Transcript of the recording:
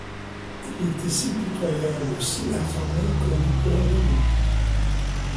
Il était si pitoyable, si affamé, qu’on eut peur de lui.